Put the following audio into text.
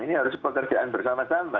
ini harus pekerjaan bersama sama